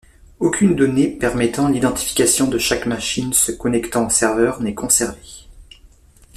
Aucune donnée permettant l’identification de chaque machine se connectant au serveur n’est conservée.